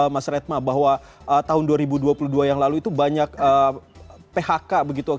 mas redma bahwa tahun dua ribu dua puluh dua yang lalu itu banyak phk begitu